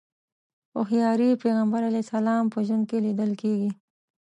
هوښياري پيغمبر علیه السلام په ژوند کې ليدل کېږي.